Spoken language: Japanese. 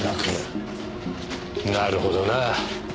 なるほどな。